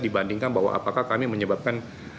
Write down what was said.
dibandingkan bahwa apakah kami menyebabkan